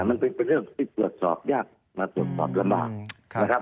มันเป็นเรื่องที่ตรวจสอบยากมาตรวจสอบลำบากนะครับ